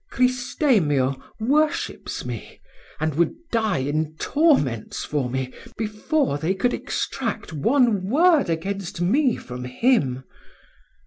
Cristemio worships me, and would die in torments for me before they could extract one word against me from him.